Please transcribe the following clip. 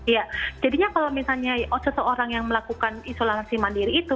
ya jadinya kalau misalnya seseorang yang melakukan isolasi mandiri itu